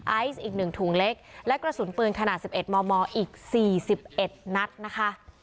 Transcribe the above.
ไอซ์อีก๑ถุงเล็กและกระสุนปืนขนาด๑๑มมอีก๔๑นัดนะคะ